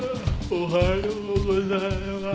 おはようございます。